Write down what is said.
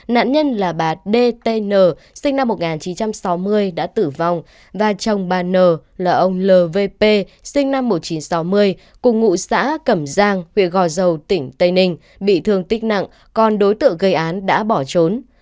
nạn nhân là bà d t n sinh năm một nghìn chín trăm sáu mươi đã tử vong và chồng bà n là ông l v p sinh năm một nghìn chín trăm sáu mươi cùng ngụ xã cẩm giang huyện gò dầu tỉnh tây ninh bị thương tích nặng còn đối tượng gây án đã bỏ trốn